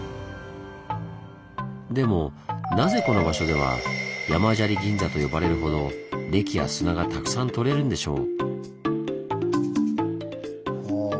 でもなぜこの場所では「山砂利銀座」と呼ばれるほど礫や砂がたくさん採れるんでしょう？